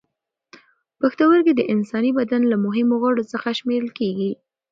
پښتورګي د انساني بدن له مهمو غړو څخه شمېرل کېږي.